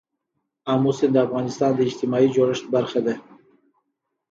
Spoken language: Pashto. آمو سیند د افغانستان د اجتماعي جوړښت برخه ده.